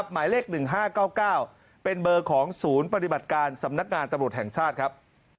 หมายเลข๑๕๙๙เป็นเบอร์ของศูนย์ปฏิบัติการสำนักงานตำรวจแห่งชาติครับ